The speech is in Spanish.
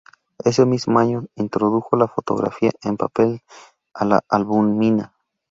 Ese mismo año introdujo la fotografía en papel a la albúmina.